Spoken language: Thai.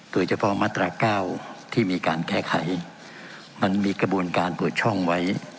โดยเฉพาะมาตราเก้าที่มีการแก้ไขมันมีกระบวนการเปิดช่องไว้